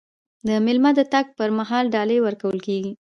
د میلمه د تګ پر مهال ډالۍ ورکول کیږي.